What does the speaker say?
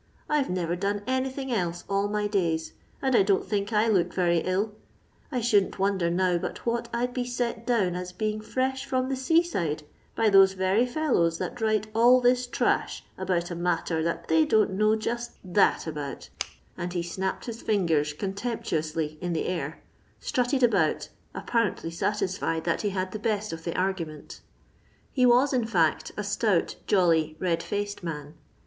I 've never done anything else all my days and I don't think I look very ill. I shouldn't wonder now but what I 'd be set down as being fresh from the sea side by those very fellows that write all this trash about a matter that they don't know just that about ;" and he snapped his fingers contemptuously in the aii^ and, thrusting both hands into his breeches pockets, strutted about, apparently satisfied that he had the best of the argument He was, in fiurt, a stout, jolly, red £Med man.